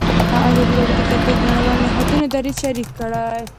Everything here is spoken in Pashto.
ازادي راډیو د کلتور د نړیوالو نهادونو دریځ شریک کړی.